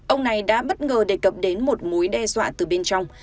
ông này đã bất ngờ đề cập đến một mối đe dọa từ bên trong